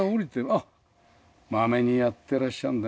あっまめにやってらっしゃるんだね。